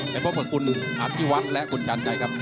แต่พบกับคุณอาทิวัฒน์และคุณชันใจครับ